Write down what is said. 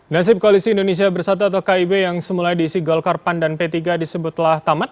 nasib koalisi indonesia bersatu atau kib yang semula diisi golkar pan dan p tiga disebutlah tamat